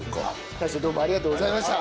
大将どうもありがとうございました！